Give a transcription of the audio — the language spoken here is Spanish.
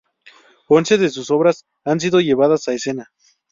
Once de sus obras han sido llevadas a escena.